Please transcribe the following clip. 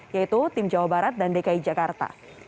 yaitu tim jawa barat dan dki jakarta